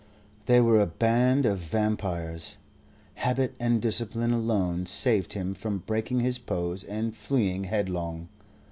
They were a band of vampires. Habit and discipline alone saved him from breaking his pose and fleeing headlong.